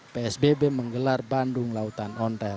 psbb menggelar bandung lautan ontel